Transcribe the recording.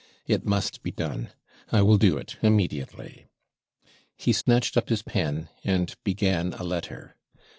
'It must be done I will do it immediately.' He snatched up his pen, and began a letter.